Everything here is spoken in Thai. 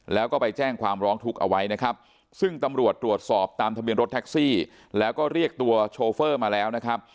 แล้วก็ไปแจ้งความร้องทุกข์เอาไว้นะครับซึ่งตำรวจตรวจสอบตามทะเบียนรถแท็กซี่แล้วก็เรียกตัวโชเฟอร์มาแล้วนะครับ